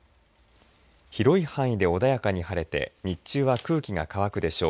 広い範囲で穏やかに晴れて日中は空気が乾くでしょう。